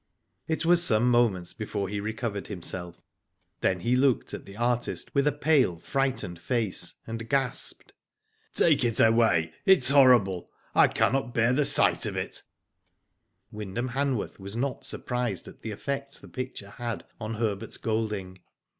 It was some moments before he recovered him himself. Then he looked at the artist with a pale, frightened face, and gasped : Take it away. It is horrible. I cannot bear the sight of it." Digitized byGoogk 238 WHO DID ITf Wyndham Hanworth was not suprised at the effect the picture had on Herbert Golding.